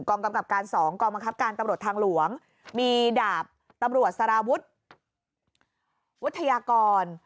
กำกับการ๒กองบังคับการตำรวจทางหลวงมีดาบตำรวจสารวุฒิวุฒยากร